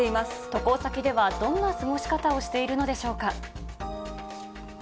渡航先ではどんな過ごし方をしているのでしょうか。